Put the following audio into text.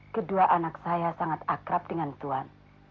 kedua anak saya sangat akrab dengan tuhan